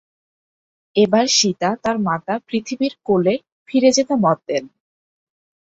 এবার সীতা তার মাতা পৃথিবীর কোলে ফিরে যেতে মত দেন।